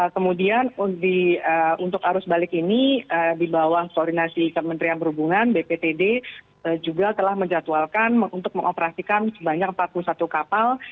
kemudian untuk arus balik ini di bawah koordinasi kementerian perhubungan bptd juga telah menjatuhalkan untuk mengoperasikan sebanyak empat puluh satu kapal